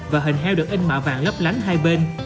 và hình heo được in mạo vàng lấp lánh hai bên